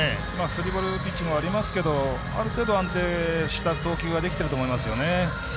スリーボールピッチングはありますけどある程度、安定した投球ができてると思いますよね。